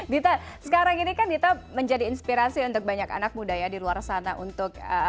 dita sekarang ini kan dita menjadi inspirasi untuk banyak anak muda ya di luar sana untuk